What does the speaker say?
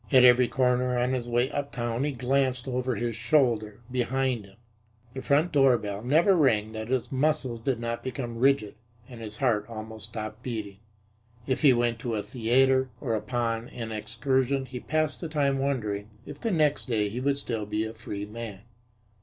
At every corner on his way uptown he glanced over his shoulder behind him. The front doorbell never rang that his muscles did not become rigid and his heart almost stop beating. If he went to a theatre or upon an excursion he passed the time wondering if the next day he would still be a free man.